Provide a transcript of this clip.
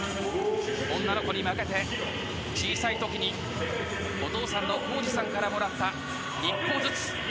女の子に負けて小さい時にお父さんからもらった一歩ずつ。